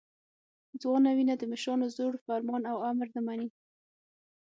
ځوانه وینه د مشرانو زوړ فرمان او امر نه مني.